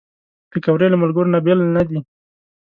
پکورې له ملګرو نه بېل نه دي